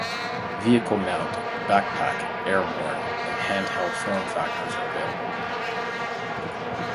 Vehicle-mount, backpack, airborne, and handheld form factors are available.